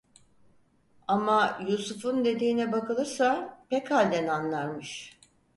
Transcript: Ama Yusuf'un dediğine bakılırsa pek halden anlarmış.